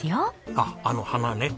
あっあの花ね。